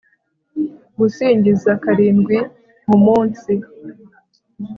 ngusingiza karindwi mu munsi